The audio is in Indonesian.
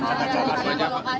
ada yang melokasi